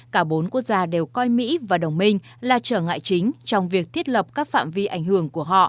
cả bốn quốc gia đều coi mỹ và đồng minh là trở ngại chính trong việc thiết lập các phạm vi ảnh hưởng của họ